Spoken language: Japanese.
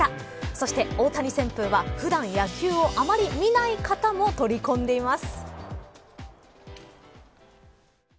そして、大谷旋風は普段野球をあまり見ない方も取り込んでいます。